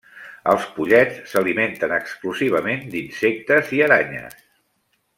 Els pollets s'alimenten exclusivament d'insectes i aranyes.